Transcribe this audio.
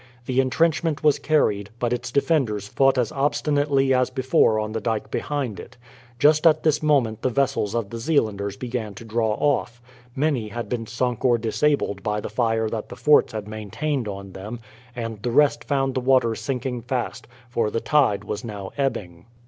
The entrenchment was carried, but its defenders fought as obstinately as before on the dyke behind it. Just at this moment the vessels of the Zeelanders began to draw off. Many had been sunk or disabled by the fire that the forts had maintained on them; and the rest found the water sinking fast, for the tide was now ebbing.